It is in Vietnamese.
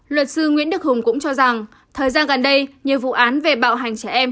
luật sư nguyễn đức hùng cũng cho rằng thời gian gần đây nhiều vụ án về bạo hành trẻ em